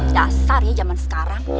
dasar ya jaman sekarang